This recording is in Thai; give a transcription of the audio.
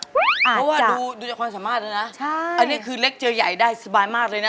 เพราะว่าดูจากความสามารถแล้วนะอันนี้คือเล็กเจอใหญ่ได้สบายมากเลยนะ